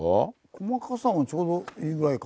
細かさもちょうどいいぐらいか。